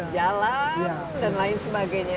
jalan dan lain sebagainya